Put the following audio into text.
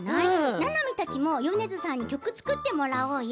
ななみたちも米津さんに曲を作ってもらおうよ。